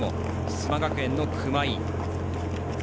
須磨学園の熊井。